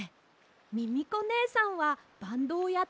ミミコねえさんはバンドをやっていたんですか？